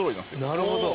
なるほど。